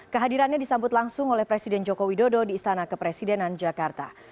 kehadirannya disambut langsung oleh presiden joko widodo di istana kepresidenan jakarta